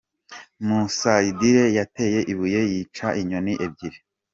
Musayidire yateye ibuye yica inyoni ebyiri.